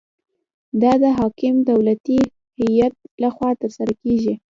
دا د حاکم دولتي هیئت لخوا ترسره کیږي.